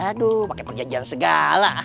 aduh pakai penjajaran segala